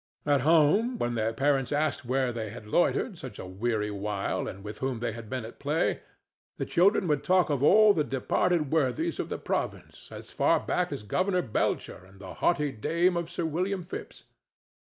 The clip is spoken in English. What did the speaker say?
At home, when their parents asked where they had loitered such a weary while and with whom they had been at play, the children would talk of all the departed worthies of the province as far back as Governor Belcher and the haughty dame of Sir William Phipps.